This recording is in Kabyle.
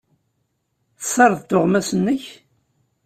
Tessardeḍ tuɣmas-nnek?